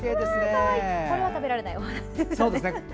これは食べられないお花ですね。